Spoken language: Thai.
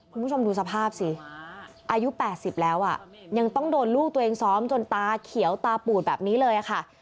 คุณผู้ชมดูสภาพสิอายุ๘๐แล้วอ่ะยังต้องโดนลูกตัวเองซ้อมจนตาเขียวตาปูดแบบนี้เลยค่ะ